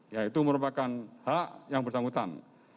yaitu merupakan hak yang bersangkutan